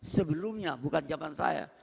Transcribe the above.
sebelumnya bukan zaman saya